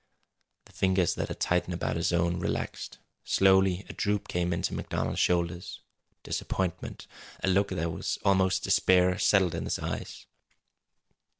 The fingers that had tightened about his own relaxed. Slowly a droop came into MacDonald's shoulders. Disappointment, a look that was almost despair settled in his eyes.